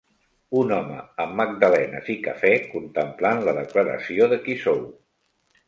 Un home amb magdalenes i cafè contemplant la declaració de qui sou